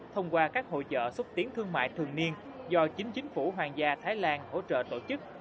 thông qua các hội trợ xúc tiến thương mại thường niên do chính chính phủ hoàng gia thái lan hỗ trợ tổ chức